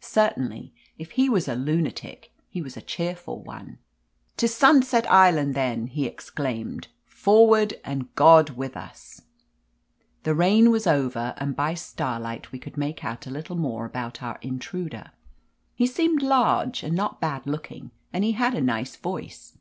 Certainly, if he was a lunatic, he was a cheerful one. "To Sunset Island, then!" he exclaimed. "Forward, and God with us !" 309 THE AMAZING ADVENTURES The rain was over, and by the starlight we could make out a little more about our in truder. He seemed large and not bad looking, and he had a nice voice.